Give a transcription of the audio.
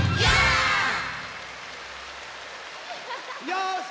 よし！